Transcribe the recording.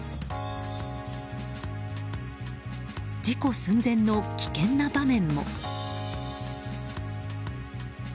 事故寸前の危険な場面も。